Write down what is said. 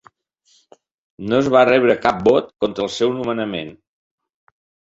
No es va rebre cap vot contra el seu nomenament.